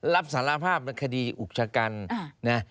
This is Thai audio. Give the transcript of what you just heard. รับสารภาพคดีอุกชกรรม